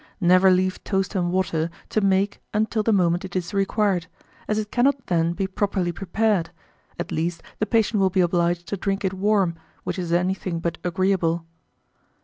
Never leave toast and water to make until the moment it is required, as it cannot then be properly prepared, at least, the patient will be obliged to drink it warm, which is anything but agreeable.